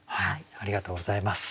ありがとうございます。